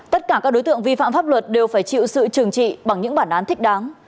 tất cả các đối tượng vi phạm pháp luật đều phải chịu sự trừng trị bằng những bản án thích đáng